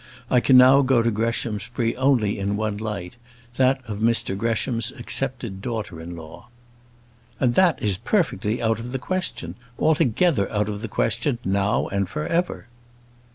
I can now go to Greshamsbury only in one light: that of Mr Gresham's accepted daughter in law." "And that is perfectly out of the question; altogether out of the question, now and for ever."